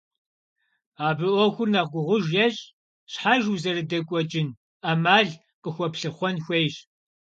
Абы Ӏуэхур нэхъ гугъуж ещӀ – щхьэж узэрыдекӀуэкӀын Ӏэмал къыхуэплъыхъуэн хуейщ.